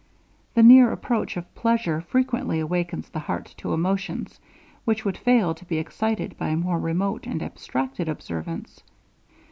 The near approach of pleasure frequently awakens the heart to emotions, which would fail to be excited by a more remote and abstracted observance.